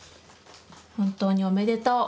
本当におめでとう」。